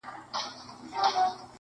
• لکه فوج د لېونیانو غړومبېدله -